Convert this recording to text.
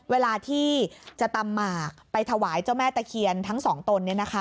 เวลาที่จะตำหมากไปถวายเจ้าแม่ตะเคียนทั้งสองตน